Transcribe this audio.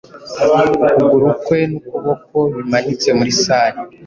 Ukugurukwe nukuboko bimanitse muri salle